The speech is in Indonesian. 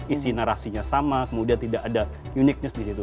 isi narasinya sama kemudian tidak ada uniqueness di situ